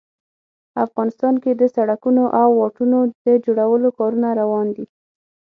افغانستان کې د سړکونو او واټونو د جوړولو کارونه روان دي